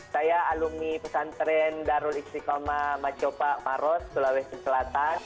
saya alumni pesantren darul istiqlama machioppa maros sulawesi selatan